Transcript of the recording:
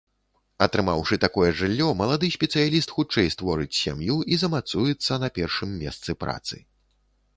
Атрымаўшы такое жыллё, малады спецыяліст хутчэй створыць сям'ю і замацуецца на першым месцы працы.